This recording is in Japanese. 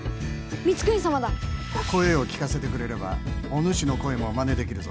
声を聴かせてくれればおぬしの声もまねできるぞ。